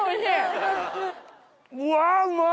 うわうまっ！